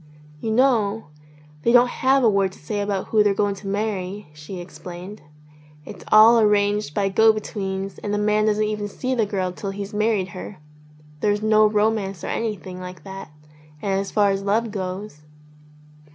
"You know, they don't have a word to say about who they're going to marry," she explained. "It's all arranged by go betweens and the man doesn't even see the girl till he's married her. There's no romance or anything like that. And as far as love goes